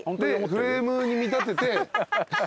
フレームに見立てて。